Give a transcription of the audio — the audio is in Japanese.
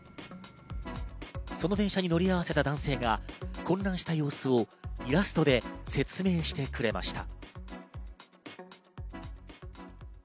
その電車に乗り合わせた男性が、混乱した様子をイラストで説明してくれました。